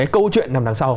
câu chuyện nằm đằng sau